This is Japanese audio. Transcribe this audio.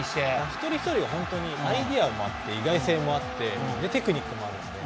一人一人アイデアもあって意外性もあってテクニックもあるんですね。